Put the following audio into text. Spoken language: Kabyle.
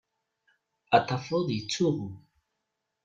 Ad tafeḍ yettsuɣu.